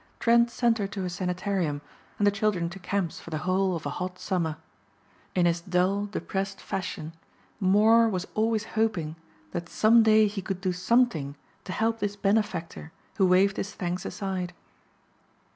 Trent sent her to a sanitarium and the children to camps for the whole of a hot summer. In his dull, depressed fashion, Moor was always hoping that some day he could do something to help this benefactor who waved his thanks aside.